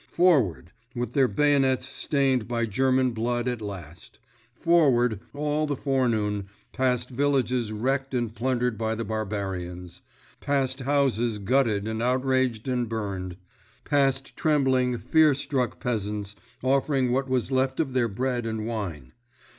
Forward, with their bayonets stained by German blood at last. Forward, all the forenoon, past villages wrecked and plundered by the barbarians; past houses gutted and outraged and burned; past trembling, fear struck peasants offering what was left of their bread and wine.